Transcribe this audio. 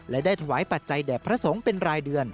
และได้ถวายปัจจัยแด่พระสงฆ์เป็นรายเดือน